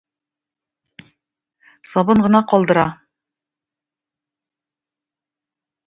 Сабын гына калдыра.